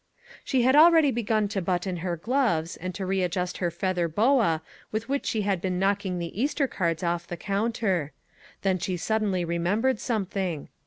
She had already begun to button her gloves, and to readjust her feather boa with which she had been knocking the Easter cards off the counter. Then she suddenly remembered something.